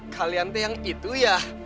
kalian yang itu ya